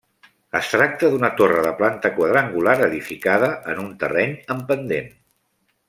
Es tracta d'una torre de planta quadrangular edificada en un terreny amb pendent.